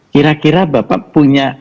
kira kira bapak punya